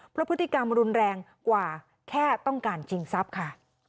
เพราะพฤติกรรมรุนแรงกว่าแค่ต้องการชิงทรัพย์ค่ะ